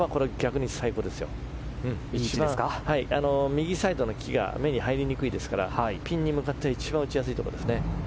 右サイドの木が目に入りにくいですからピン向かって打ちやすいところですね。